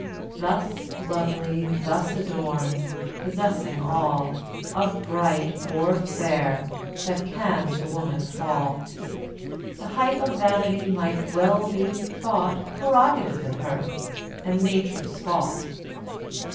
Thus lovely, thus adorn'd, possessing all Of bright or fair that can to woman fall, The height of vanity might well be thought Prerogative in her, and Nature's fault.